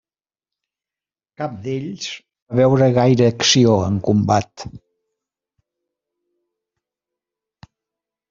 Cap d’ells va veure gaire acció en combat.